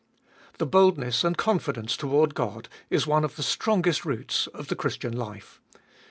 The boldness and confidence toward God is one of the strongest roots of the Christian life.